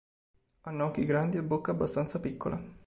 Hanno occhi grandi e bocca abbastanza piccola.